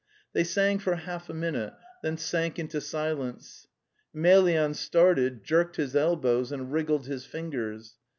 They sang for half a minute, then sank into silence. Emelyan started, jerked his elbows and wriggled his fingers.